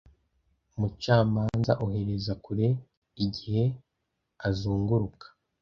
Umucamanza ohereza kure igihe azunguruka